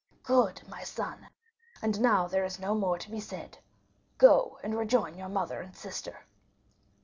"Good, my son. And now there is no more to be said; go and rejoin your mother and sister."